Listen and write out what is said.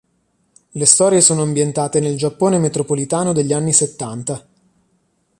Le storie sono ambientate nel Giappone metropolitano degli anni Settanta.